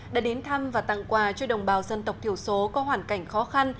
đã đến thăm và tặng quà cho đồng bào dân tộc thiểu số có hoàn cảnh khó khăn